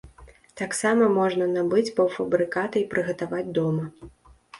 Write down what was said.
Таксама можна набыць паўфабрыкаты і прыгатаваць дома.